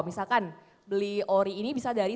misalkan beli ori ini bisa dari